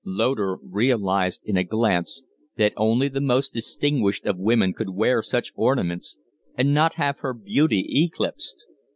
Loder realized in a glance that only the most distinguished of women could wear such ornaments and not have her beauty eclipsed.